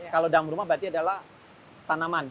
kalau dalam rumah berarti adalah tanaman